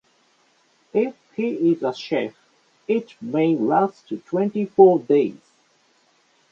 If he is a chief, it may last twenty-four days.